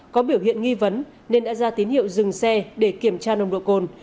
có biểu hiện nghi vấn nên đã ra tín hiệu dừng xe để kiểm tra nồng độ cồn